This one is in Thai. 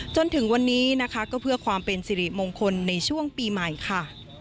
จนถึงวันนี้นะคะก็เพื่อความเป็นสิริมงคลในช่วงปีใหม่ค่ะ